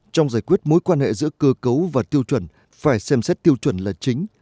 trong giải quyết mối quan hệ giữa cơ cấu và tiêu chuẩn phải xem xét tiêu chuẩn là chính